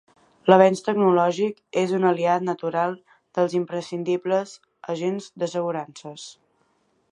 L'avenç tecnològic és un aliat natural dels imprescindibles agents d'assegurances.